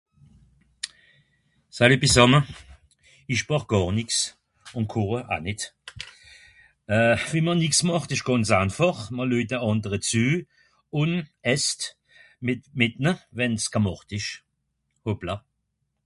salüt bisàmme isch bàch gàr nix o koche aw nìt wiem'r nix màcht esch ganz aanfàch: mr leujt de andere zü un esst mit mit'ne, wenn's gemàcht esch. Hopla